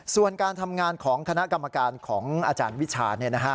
ส่วนการทำงานของคณะกรรมการของอาจารย์วิชา